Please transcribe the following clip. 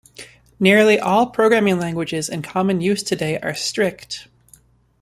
Nearly all programming languages in common use today are strict.